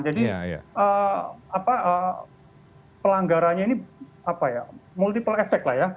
jadi pelanggarannya ini multiple effect lah ya